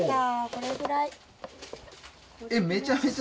これぐらい。